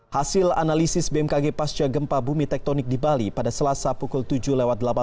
hasil analisis bmkg pasca gempa bumi tektonik di bali pada selasa pukul tujuh lewat delapan belas